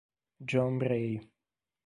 John Bray